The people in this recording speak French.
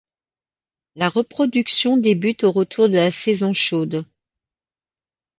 La reproduction débute au retour de la saison chaude.